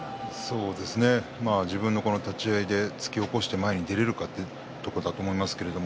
そうですね、自分の立ち合いで突き起こして前に出られるかというところだと思います。